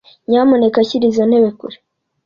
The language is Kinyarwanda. Nyamuneka shyira izo ntebe kure.